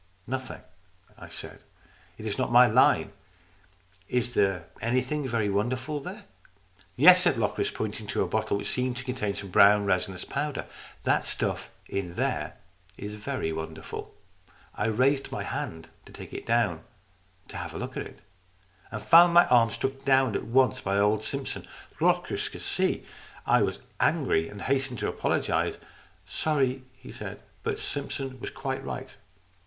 " Nothing," I said. " It is not in my line. Is there anything very wonderful there ?" "Yes," said Locris, pointing to a bottle which seemed to contain some brown resinous powder. " That stuff in there is very wonderful." I raised my hand to take it down and have a look at it, and found my arm struck down at once by old Simpson. Locris could see that I was angry, and hastened to apologize. " Sorry," he said. " But Simpson was quite right.